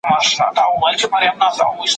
صبر بریا ته نږدې کوي.